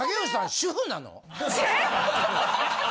主婦なの？